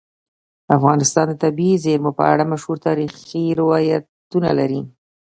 افغانستان د طبیعي زیرمې په اړه مشهور تاریخی روایتونه لري.